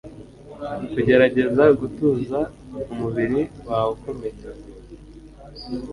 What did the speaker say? kugerageza gutuza umubiri wawe ukomeye